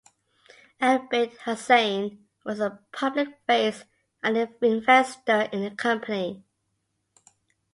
Abid Hussain was a public face and an investor in the company.